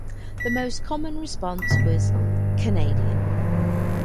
The most common response was "Canadian".